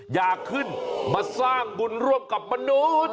อยากขึ้นมาสร้างบุญร่วมกับมนุษย์